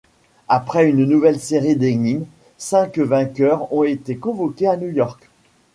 Après une nouvelle série d'énigmes, cinq vainqueurs ont été convoqués à New York.